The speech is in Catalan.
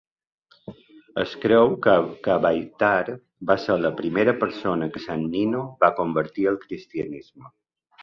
Es creu que Abiathar va ser la primera persona que Sant Nino va convertir al cristianisme.